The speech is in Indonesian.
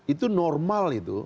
itu normal itu